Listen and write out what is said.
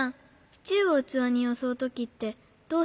シチューをうつわによそうときってどうしてる？